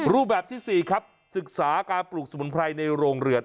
รูปแบบที่๔ครับศึกษาการปลูกสมุนไพรในโรงเรือน